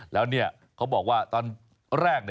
แล้วเขาบอกว่าตอนแรก